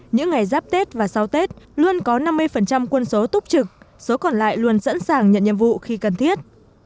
những ngày giáp tết và sau tết luôn có năm mươi quân số túc trực số còn lại luôn sẵn sàng nhận nhiệm vụ khi cần thiết